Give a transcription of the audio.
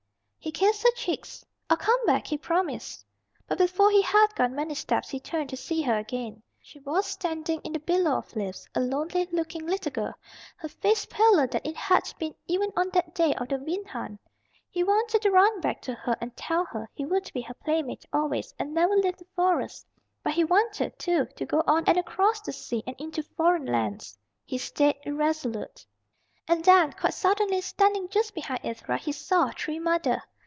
He kissed her cheeks. "I'll come back," he promised. But before he had gone many steps he turned to see her again. She was standing in the billow of leaves, a lonely looking little girl, her face paler than it had been even on that day of the wind hunt. He wanted to run back to her and tell her he would be her playmate always, and never leave the Forest. But he wanted, too, to go on and across the sea and into foreign lands. He stayed irresolute. And then quite suddenly, standing just behind Ivra, he saw Tree Mother.